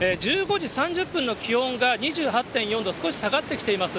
１５時３０分の気温が２８．４度、少し下がってきています。